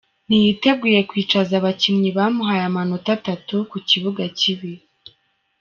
Ntiyiteguye kwicaza abakinnyi bamuhaye amanota atatu ku kibuga kibi .